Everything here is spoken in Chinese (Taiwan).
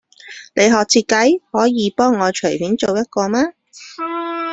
你學設計，可以幫我隨便做一個嗎？